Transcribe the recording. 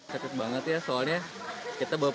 serius banget ya soalnya